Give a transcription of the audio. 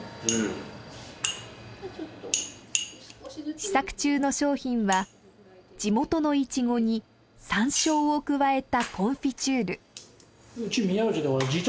試作中の商品は地元のイチゴにサンショウを加えたコンフィチュール。